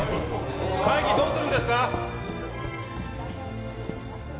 会議どうするんですか？